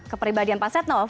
kepribadian pak setnoff